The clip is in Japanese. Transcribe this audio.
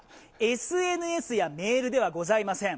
ＳＮＳやメールではございません。